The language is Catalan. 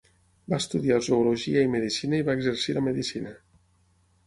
Va estudiar zoologia i medicina i va exercir la medicina.